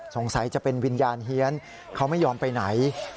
จะเป็นวิญญาณเฮียนเขาไม่ยอมไปไหน